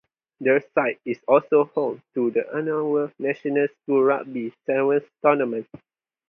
The site is also home to the annual National Schools Rugby Sevens Tournament.